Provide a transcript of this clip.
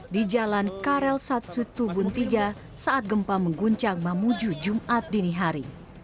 di jalan karel satsutu buntiga saat gempa mengguncang mamuju jumat dini hari